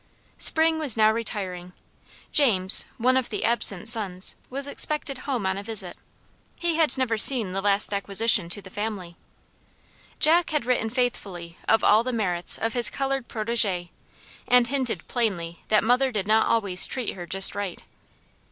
Spring was now retiring. James, one of the absent sons, was expected home on a visit. He had never seen the last acquisition to the family. Jack had written faithfully of all the merits of his colored protege, and hinted plainly that mother did not always treat her just right.